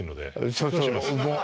そうそう。